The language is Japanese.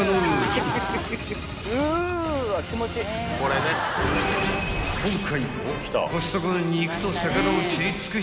［今回もコストコの肉と魚を知り尽くした］